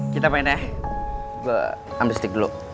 kita main ya gue ambil stick dulu